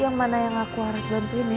yang mana yang aku harus bantuin